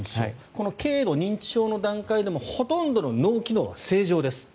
この軽度認知症の段階でもほとんどの脳機能は正常です。